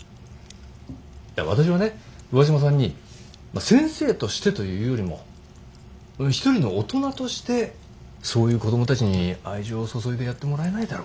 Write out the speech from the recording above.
いや私はね上嶋さんにまあ先生としてというよりも一人の大人としてそういう子供たちに愛情を注いでやってもらえないだろうかと。